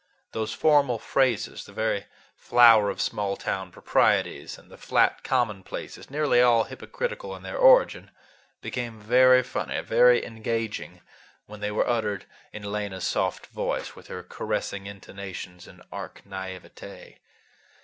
Those formal phrases, the very flower of small town proprieties, and the flat commonplaces, nearly all hypocritical in their origin, became very funny, very engaging, when they were uttered in Lena's soft voice, with her caressing intonation and arch naïveté.